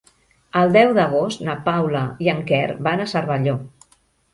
El deu d'agost na Paula i en Quer van a Cervelló.